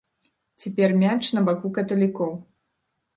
Цяпер мяч на баку каталікоў.